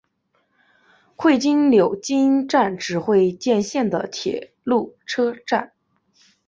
会津柳津站只见线的铁路车站。